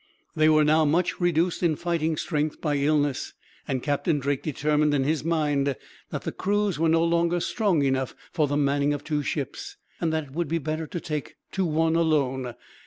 They were now much reduced in fighting strength by illness, and Captain Drake determined in his mind that the crews were no longer strong enough for the manning of two ships, and that it would be better to take to one, alone.